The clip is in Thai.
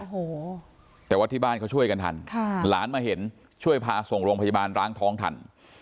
โอ้โหแต่ว่าที่บ้านเขาช่วยกันทันค่ะหลานมาเห็นช่วยพาส่งโรงพยาบาลร้างท้องทัน